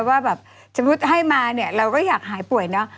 ว่าแบบสมมุติให้มาเนี่ยเราก็อยากหายป่วยเนอะ